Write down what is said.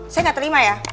saya gak terima ya